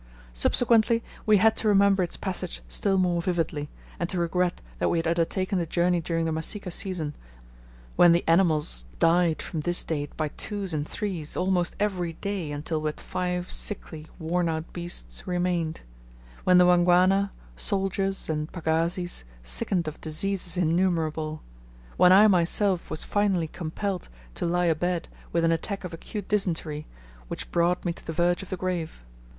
Subsequently, we had to remember its passage still more vividly, and to regret that we had undertaken the journey during the Masika season, when the animals died from this date by twos and threes, almost every day, until but five sickly worn out beasts remained; when the Wangwana, soldiers, and pagazis sickened of diseases innumerable; when I myself was finally compelled to lie a bed with an attack of acute dysentery which brought me to the verge of the grave.